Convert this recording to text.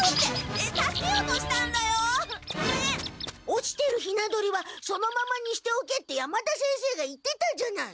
落ちてるヒナ鳥はそのままにしておけって山田先生が言ってたじゃない。